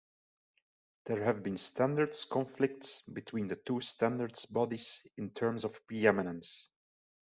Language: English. There have been standards conflicts between the two standards bodies in terms of pre-eminence.